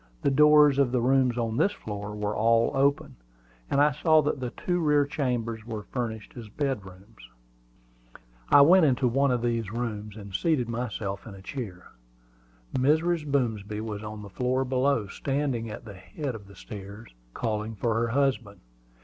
The doors of the rooms on this floor were all open, and I saw that the two rear chambers were furnished as bedrooms. I went into one of these rooms, and seated myself in a chair. Mrs. Boomsby was on the floor below, standing at the head of the stairs, calling for her husband.